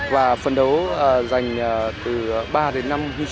và phấn đấu dự báo thành tích